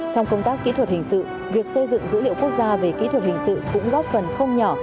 trong công tác kỹ thuật hình sự việc xây dựng dữ liệu quốc gia về kỹ thuật hình sự cũng góp phần không nhỏ